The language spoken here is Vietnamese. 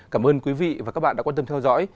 cảm ơn quý vị và các bạn đã quan tâm theo dõi